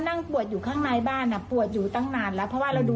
โทรศัพท์อยู่ข้างนอกพอดีคงจะคงจะได้ยินเสียง